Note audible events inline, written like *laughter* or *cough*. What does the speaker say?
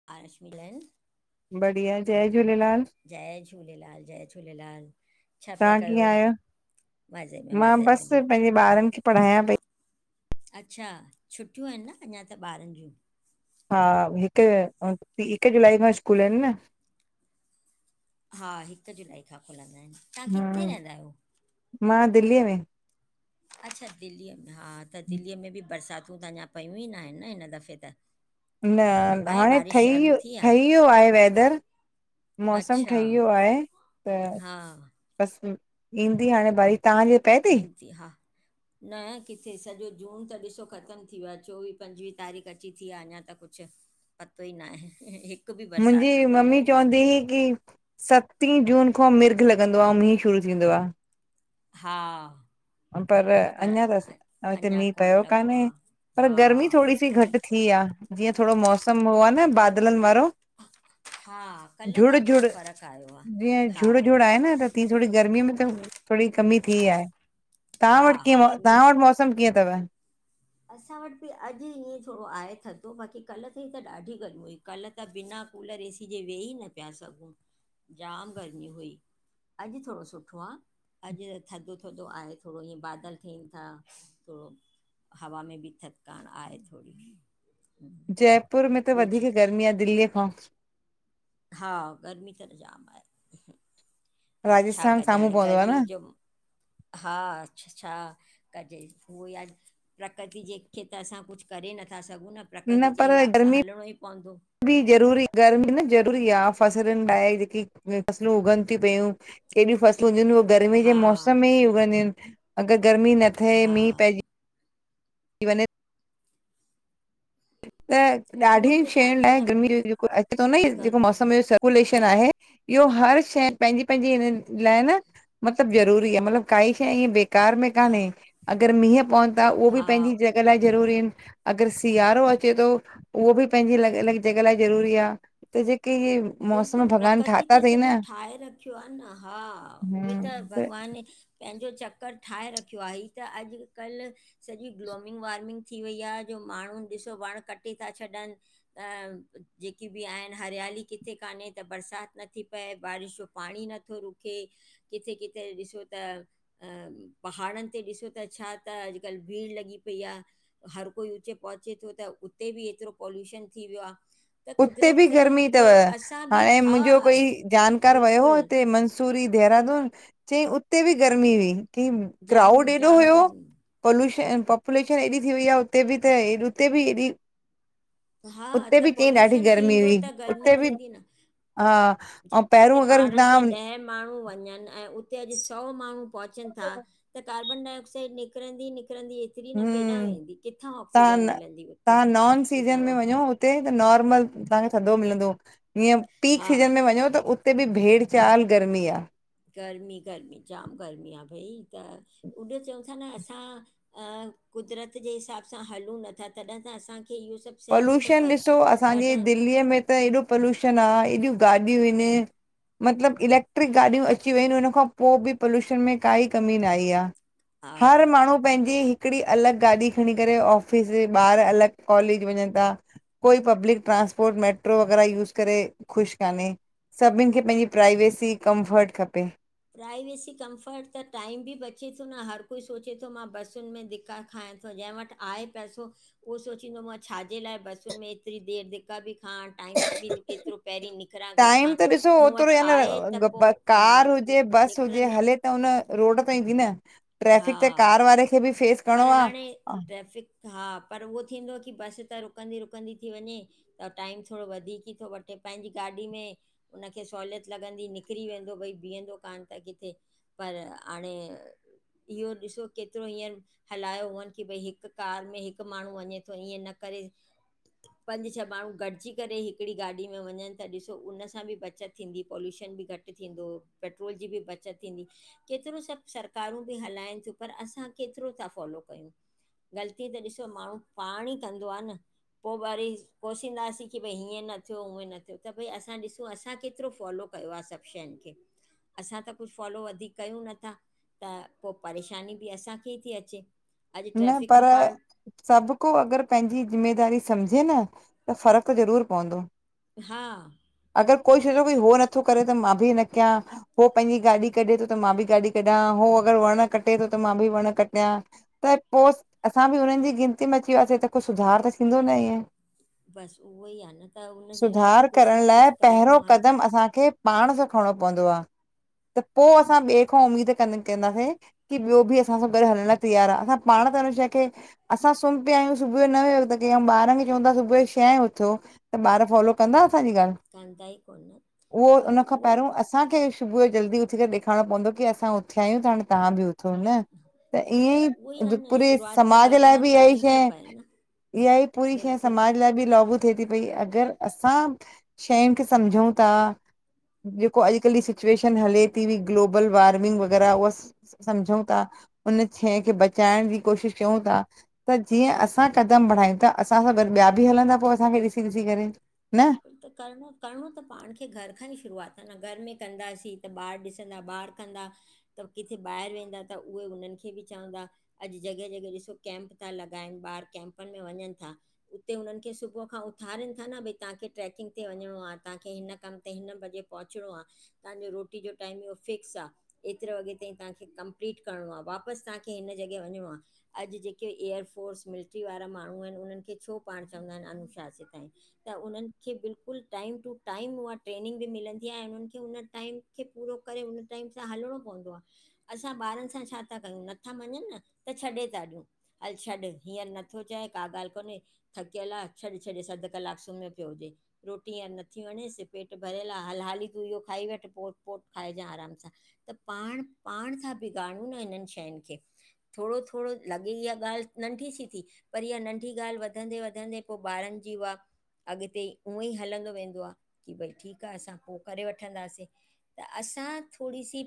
*unintelligible* बढ़िया। जय झूलेलाल। जय झूलेलाल जय झूलेलाल। छा पिया तव्हां कयो? कीअं आहियो? मज़े में मां मज़े में बसि पंहिंजे ॿारनि खे पढ़ायां पई। बिल्कुलु अच्छा छुटियूं आहिन न अञा त ॿारनि जूं? हा हिकु हिकु जुलाई खां स्कूल आहिन न। हा हिकु जुलाई खां खुलंदा आहिन। मां दिल्लीअ में। अच्छा दिल्लीअ में हा त दिल्लीअ में बि बरसातूं त अञा पयूं ई न आहिनि न हिन दफ़े त? न आहे हाणे बारिश ठही चालू वियो थी आहे ठही वियो आहे वेदर। मौसमु अच्छा ठही वियो आहे त। हा बस ईंदी हाणे भरी तहांजे इंदी हा। न किथे सॼो जून त ॾिसो खत्म थी वियो आहे चोवीह पंजवीह तारीख़ अची थी आहे अञा त कुझु पतो ई न आहे हिकु बि मुंहिंजी बरसाति न पई आहे मम्मी अहिड़ी चवंदी सुठी हुई की सतीं जून खां मिर्ग लॻंदो आहे ऐं मीं शुरू थींदो आ। हा। पर अञा अ तते अञा मींहुं कोन पियो लॻो कान्हे आहे पर हा गर्मी थोॾो सी घट बिल्कुलु थी आ। जीअं थोॾो मौसम हो आहे न बादलनि वारो। हा कल्ह खां झुड़- थोरो झुड़ फ़र्क़ु आयो आहे जीअं हा झुड़- झुड़ आहे न तीअं थोॾो गर्मीअ में त थोॾो कमी थी आहे। तहां हा वट हा कीअं उहो तहां त वटि मौसम कीअं अथव? असां वट बि अॼु ईअं थोड़ो आहे थदो बाक़ी कल्ह ताईं त ॾाढी गर्म हुई। कल्ह त बिना कूलर एसी जे वेही न पिया सघूं जाम गर्मी हुई। अॼु थोरो सुठो आहे अॼु थधो थधो आहे थोरो इअं बादल थियनि था थोरो हवा में बि थध कार आए थोडी। जयपुर में त वधीक गर्मी आ दिल्लीअ खां। हा गर्मी त जामु आ पर छा राजस्थान कजे साम्हूं हाणे पवंदो आ गर्मी न जो हा अछछा कजे उहोई आन प्रकृति जे खे त असां कुछ करे नथा सघूं न प्रकृति जे पर हिलााब गर्मी सां हलणो ई पवंदो। बि ज़रूरी गरमी न ज़रूरी आ फसलुनि लाइ जेकी फसलूं उगनि थी पयूं केॾी फसलूं हूंदियूं आहिन उहे गर्मी जे हा मौसम में ई उगंदियूं आहिन अगर गर्मी न थिए हा मींहुह पइजी इ वन त उहो ॾाढी ई त चवां शयुनि थी लाइ न गर्मी जेको अचे थो न कर जेको मौसम कुलेशन आहे इहो हर शइ पंहिंजी पंहिंजी हिननि लाइ न मतलब ज़रूरी आ मतलब काई शइ ईअ बे कार में कान्हे अगर मींहं प एं नथा, उह बि हा पंहिंजी जॻ लाइ ज़रूरी आहिन, अगर स उहो बि पंहिंजी अल, अल ज ज़ररी आहे जेके मौसम बिल्कुल भॻवान प्रकृति ठाता त अथई सॼो न ठाहे रखियो आ न, हा उहे त भॻवान पंहिंजो चक्कर ठाहे रखियो आहे, हीअ त अॼुकल्ह सॼी ग्लोमंग वार्मिंग थी वई आहे, जो माण्हू ॾिसो वण कटे था छॾनि। अ जेकी बि आहिन हरियाली किथे। किथे कान्हे त बरसात नथी पए, बारिश जो पाणी नथो रुके। किथे किथे ॾिसो त अ पहाड़नि ते ॾिसो त छा त अॼुकल्ह भीड़ लॻी पई आ। हर कोई उचे पहुचे थो, त उते बि एतिरो पॉल्यूशन थी वियो आहे। त उते कुदरत बि गर्मी खे थव, असां बि हाणे हा मुंहिंजो कोई जानकार वियो हो बिल्कुलु हुते म मसूरी देहरादून चईं उते बि गर्मी हुई चई जाम क्राउड एॾो जाम हुयो। कर पॉल्युशन पॉपुलेशन एॾी थी वई आहे हुते बि त ॾी हुते बि हेएॾी। हा त ॾाढी पॉल्युशन गर्मी थींदो, हुई त गर्मी उते बि थींदी न। हा। ऐं जिथे पहिरियों अगरि पहाड़नि ते तव्हां ॾह माण्हू वञनि ऐं, उते अॼु सौ माण्हू पहुचनि था त कार्बन डाइॉक्साइड, निकरंदी निकरंदी मरी न केॾां हम्म वेंदी, किथां तव्हां ऑक्सीजन न मिलंदी हुते तव्हां नॉन सीजन में ॿुधायो? वञो उते त नॉर्मल तव्हांखे थधो मिलंदो, हीअं पीक हा सीज़न में वञो त उते बि भेड़ चाल गर्मी आ। गर्मी, गर्मी जाम गर्मी आहे, भई त उॾ चऊं था न असां। क़ कुदरत जे हिसाब सां हलूं नथा, तॾहिं त असांखे इहो सब। पॉल्युशन ॾिसो असांजे, दिल्लीअ में त एॾो पॉल्युशन आहे। एॾियूं गाॾियूं आहिन। मतलबु इलैक्ट्रिक गाॾियूं अची वियूं आहिन उनखां पो बि पॉल्यूशन में काई कमी न आई आ। हा हर माण्हू पंहिंजी हिकिड़ी, अलॻि गाॾी खणी करे ऑफिस, जे ॿार अलॻि कॉलेज वञ था कोई पब्लिक ट्रांसपोर्ट मेट्रो वग़ैरह यूस करे ख़ुश कान्हे। सभिन खे पंहिंजी प्राइवेसी कमफट खपे। प्राइवेसी कमफर्ट त टाइम बि बचे थो न हर कोई सोचे थो मां बसियुनि में धिका खायां त जंहिं वटि आहे पैसो, उहो सोचींदो मां छाजे लाइ बसियुनि में एतिरी देरि धिका बि खाण टाइम बि एतिरो पहिरीं निकिरा घर टाइम खां, त ॾिसो मूं ओतिरो वटि या आहे त पो न मां कार हुजे बस हूजे निकिरंदमि हले त उन रोड ते ईंदी न, ट्रैफिक त हा, कार वारे खे बि फेस पर करिणो आ हाणे ट्रैफिक हा, पर उहो थींदो की बस त रुकंदी, रुकंदी थी वञे। त टाइम थोडो वधीक ई तो वठे, पंहिंजी गाॾी में उनखे सहूलियत लॻंदी निकिरी वेंदो भई बीहंदो कानि त किथे। पर हाणे इहो ॾिसो केतिरो हींअर हलायो हुअनि की भई हिकु कार में हिकु माण्हू वञे थो इएं न करे पंज छह माण्हू गॾिजी करे हिकिड़ी गाॾी में वञनि त ॾिसो उन सां बि बचत थींदी पॉल्यूशन बि घटि घटि थींदो पेट्रोल जी बि बचत थींदी। केतिरो सभु सरकारूं बि हलाइनि थियूं पर असां केतिरो ता फॉलो कयूं। ग़लती त ॾिसो माण्हू पाण ई कंदो आ न। पो वरी पोसींदासीं की भई हीअं न थियो उअं न थियो त भई असां ॾिसूं असां केतिरो फॉलो कयो आ सभु शयुनि खे असां त कुझु फॉलो वधीक कयूं नथा, त पो परेशानी बि असां के थी अचे। अॼु न ट्रैफ़िक पर में पाण सभु को अॻरि पंहिंजी ज़िम्मेदारी सम्झे न त फ़र्क़ ज़रूर पवंदो। हा अॻरि कोई शल भई हो नथो करे त मां बि न कयां। हो पंहिंजी गाॾी कढे तो त मां बि गाॾी कढा, हो अॻरि वण कटे तो त मां बि वण कटियां। त पो असां बि हुननि जी गिनती में अची वियासीं त कुझु सुधार त थींदो न इएं। बसि उहो ई आहे न त उनजे लाइ त सुधार कुझु करण न लाइ कुझु करिणो पहिरो आहे न क़दम असांखे पाण सां खणणो पवंदो आ। त पो असां ॿिए खां उमीद कन कंदासीं, की ॿियो बि असां सां गॾु हलण लाइ तैयार आ। असां पाण त हुन शैए खे असां सुम्ह पिया आहियूं सुबुह नवे वॻे अऊं ॿारन खे चवंता सुबुह जो छहें उथो। त ॿार फॉलो कंदा असांजी ॻाल्हि? कंदा ई कोनि, उहो त उन खां उवोव पहिरियों असांखे सुबुह जल्दी उथी करें ॾेखारणो पवंदो की असां उथिया आहियूं त हाणे तहां बि उ थो न, त इएं ई उहो आहे न पूरी शुरूआति त समाज घर लाइ मां बि इहा ई करणी थी शहे, पए न इया ई पूरी शइ बिल्कुलु समाज लाइ बि लागू थिए थी पई, अॻरि असां शयुनि खे सम्झऊं ता ॼेको अॼुकल्ह जी सिचुएशन हले ती वी ग्लोबल वार्मिंग वग़ैरह उहा स सम्झऊं ता उन शइ खे बचाइण जी कोशिश कयूं ता। त जीअं असां कदम बढ़ायूं ता असां सां गॾु ॿिया बि हलंदा पो असांखे ॾिसी ॾिसी करे। न बिल्कुलु त करणो करिणो त पाण खे घर खां ई शुरुआत आ न, घर में कंदासीं त ॿार ॾिसंदा ॿार कंदा त किथे ॿाहिरि वेंदा त उहे उन्हनि खे बि चवंदा अॼु जॻह जॻह ॾिसो कैम्प ता लॻाइनि ॿार कैम्पनि में वञनि था। उते हुननि खे सुबुह खां उथारीनि था न भई तांखे ट्रेकिंग ते वञणो आ, तांखे हिन कमु ते हिन बजे पहुचणो आ, तांजो रोटी जो टाइम इहो फिक्स आ। एतिरे वॻे ताईं तव्हांखे कंपलीट करिणो आ, वापसि तव्हांखे हिन जॻह वञिणो आ। अॼु ॼेके एयर फोर्स मिलिट्री वारा माण्हू आहिनि उन्हनि खे छो पाण चवंदा आहिनि अनुशासीत आहिनि। त उन्हनि खे बिल्कल टाइम टू टाइम उहा ट्रेनिंग बि मिलंदी आहे। ऐं उन्हनि खे उन टाइम खे पूरो करे। हुन टाइम सां हलणो पवंदो आहे। असां ॿारनि सां छा था कयूं? नथा मञनि न त छॾे था ॾियूं? हल छॾ हींअर नथो चए का ॻाल्हि कोन्हे थकियल आहे। छॾ छॾ, अध कलाक सुम्हे पियोजे। रोटी हींअर नथी वणेस, पेट भरियल आहे। हाल, हाली तूं इहो खाई वठि, पो पोट खाइजांइ आराम सां। त, पाण-पाण सां बिगाड़ूं न हिनननि शयुनि खे। थोरो-थोरो, लॻे इहा ॻाल्हि नंढी सी थी। पर इहा नंढी ॻाल्हि वधंदे वधंदे पोइ ॿारनि जी उहा अॻिते उअं ई हलंदो वेंदो आहे। की भई ठीक आहे। असां पोइ करे वठंदासीं। त असां थोरी सी